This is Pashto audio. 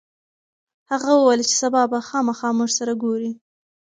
هغه وویل چې سبا به خامخا موږ سره وګوري.